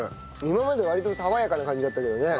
今まで割と爽やかな感じだったけどね